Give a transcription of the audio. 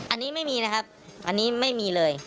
อันนี้ไม่มีนะครับอันนี้ไม่มีเลย